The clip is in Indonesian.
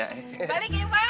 balik ya bang